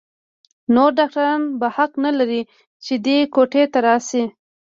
نور ډاکتران به حق نه لري چې دې کوټې ته راشي.